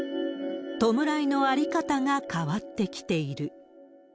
弔いの在り方が変わってきている。